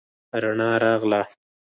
رڼا راغله.